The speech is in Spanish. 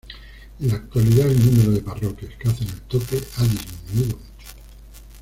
En la actualidad el número de parroquias que hacen el toque ha disminuido mucho.